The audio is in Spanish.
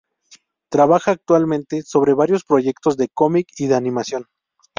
Trabaja actualmente sobre varios proyectos de cómic y de animación.